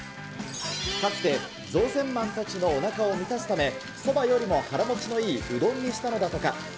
かつて造船マンたちのおなかを満たすため、そばよりも腹もちのいいうどんにしたのだとか。